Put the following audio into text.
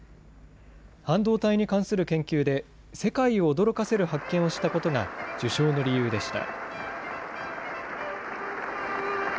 半導体に関する研究で、世界を驚かせる発見をしたことが受賞の理由でした。